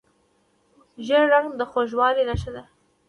ژیړ رنګ د خوږوالي نښه ده.